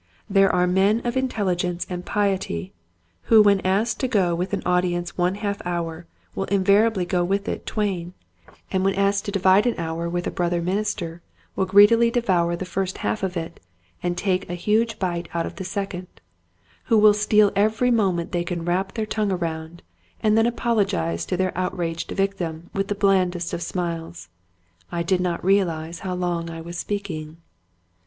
There are men of intelligence and piety who when asked to go with an audience one half hour will invariably go with it twain ; who when asked to divide an hour Meanness. i6i with a brother minister will greedily de vour the first half of it and take a huge bite out of the second ; who will steal every moment they can wrap their tongue around, and then apologize to their out raged victim with the blandest of smiles, " I did not realize how long I was speak ing